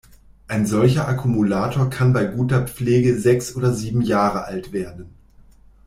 Ein solcher Akkumulator kann bei guter Pflege sechs oder sieben Jahre alt werden.